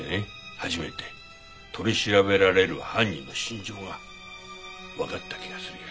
初めて取り調べられる犯人の心情がわかった気がするよ。